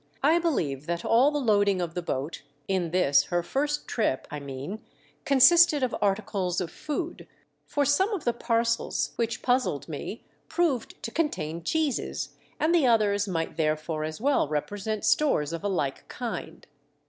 I believe that all the loading of the boat — in this her first trip, I mean — consisted of articles of food ; for some of the parcels which puzzled me proved to contain cheeses and the others might there fore as well represent stores of a like kind.